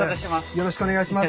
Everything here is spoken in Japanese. よろしくお願いします。